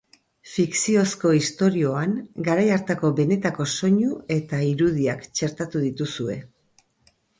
Fikziozko istorioan garai hartako benetako soinu eta irudiak txertatu dituzue.